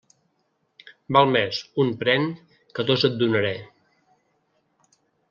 Val més un pren que dos et donaré.